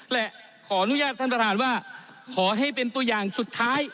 และขออนุญาตท่านประธานว่าขอให้เป็นตัวอย่างสุดท้าย